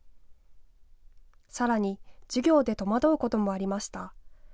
さらに授業で戸惑うこともありました。